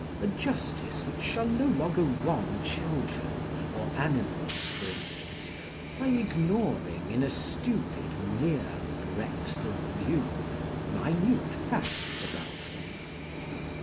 a justice which shall no longer wrong children, or animals, for instance, by ignoring in a stupid, mere breadth of view, minute facts about them.